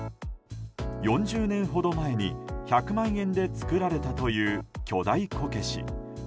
４０年前に１００万円で作られたという巨大こけし。